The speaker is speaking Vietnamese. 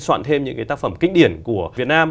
soạn thêm những cái tác phẩm kinh điển của việt nam